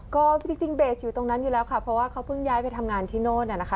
ก็จริงเบสอยู่ตรงนั้นอยู่แล้วค่ะเพราะว่าเขาเพิ่งย้ายไปทำงานที่โน่นนะคะ